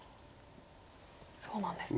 そうなんですね。